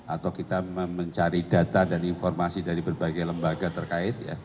atau kita mencari data dan informasi dari berbagai lembaga terkait ya